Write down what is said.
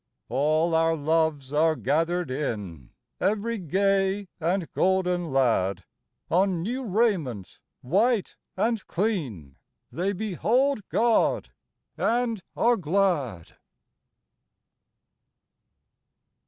All our loves are gathered in, Every gay and golden lad ; On new raiment, white and clean, They behold God and are glad.